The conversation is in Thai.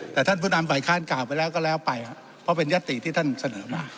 แต่ท่านผู้นำฝ่ายค้านกล่าวไปแล้วก็แล้วไปครับเพราะเป็นยติที่ท่านเสนอมา